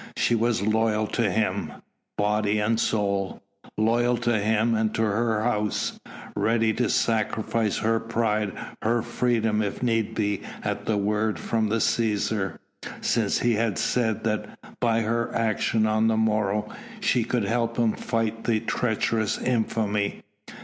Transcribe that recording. She was loyal to him body and soul loyal to him and to her House, ready to sacrifice her pride, her freedom if need be at a word from the Cæsar, since he had said that by her action on the morrow she could help him fight the treacherous infamy.